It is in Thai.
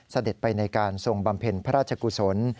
เสด็จไปในการทรงบำเพ็ญพระราชกุศล